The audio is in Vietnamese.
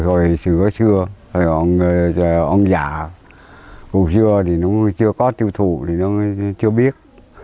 hồi xưa ông già hồi xưa thì nó chưa có tiêu thụ thì nó chưa biết